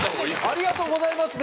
「ありがとうございます」で。